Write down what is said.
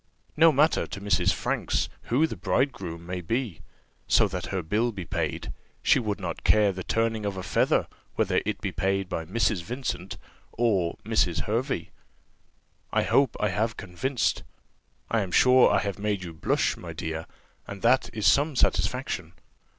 No matter to Mrs. Franks who the bridegroom may be; so that her bill be paid, she would not care the turning of a feather whether it be paid by Mrs. Vincent or Mrs. Hervey. I hope I have convinced, I am sure I have made you blush, my dear, and that is some satisfaction.